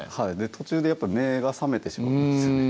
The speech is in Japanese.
途中でやっぱ目が覚めてしまうんですよね